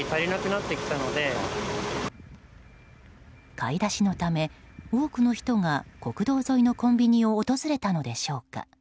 買い出しのため、多くの人が国道沿いのコンビニを訪れたのでしょうか